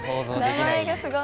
名前がすごい。